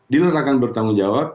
dealer akan bertanggung jawab